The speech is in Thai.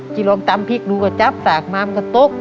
ที่ลองตำพริกดูกระจับตากมามันก็ตก